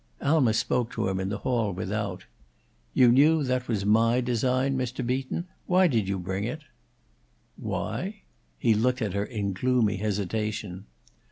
Alma spoke to him in the hall without. "You knew that was my design, Mr. Beaton. Why did you bring it?" "Why?" He looked at her in gloomy hesitation.